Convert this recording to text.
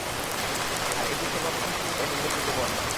আর এটিই সর্বাপেক্ষা সঠিক ও নির্ভরযোগ্য বর্ণনা।